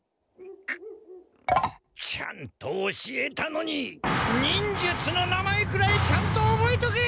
クッちゃんと教えたのに忍術の名前くらいちゃんとおぼえとけ！